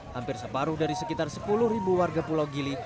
hampir separuh dari sekitar sepuluh ribu warga pulau gili